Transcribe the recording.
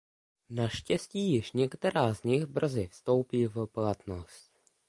Naštěstí již některá z nich brzy vstoupí v platnost.